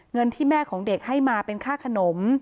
เงินที่แม่ของเด็กให้มาเป็นค่าขนม